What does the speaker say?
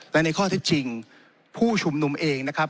และในข้อเท็จจริงผู้ชุมนุมเองนะครับ